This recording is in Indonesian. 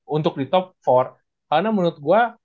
untuk di top empat karena menurut gue